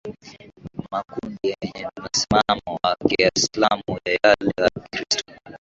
makundi yenye msimamo wa kiislamu na yale ya kikristo